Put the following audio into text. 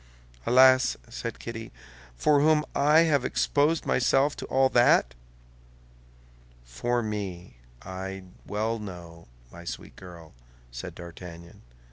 "Alas!" said Kitty, "for whom have I exposed myself to all that?" "For me, I well know, my sweet girl," said D'Artagnan.